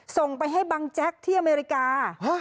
ส่งไปให้บังแจ๊กที่อเมริกา